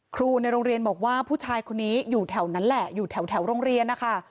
ครูในโรงเรียนบอกว่าผู้ชายคนนี้อยู่แถวนั้นแหละอยู่แถวโรงเรียนนะคะ